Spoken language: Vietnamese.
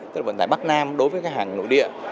tức là vận tải bắc nam đối với khách hàng nội địa